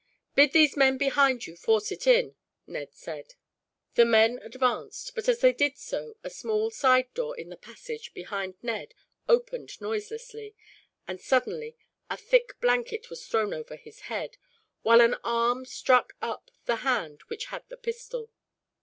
"Bid these men behind you force it in," Ned said. The men advanced, but as they did so a small side door in the passage, behind Ned, opened noiselessly, and suddenly a thick blanket was thrown over his head, while an arm struck up the hand which had the pistol.